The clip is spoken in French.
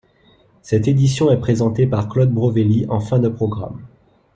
Cette édition est présentée par Claude Brovelli en fin de programme.